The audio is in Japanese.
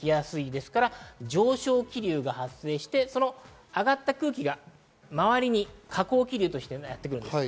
ですから上昇気流が発生して上がった空気が周りに下降気流としてやってきます。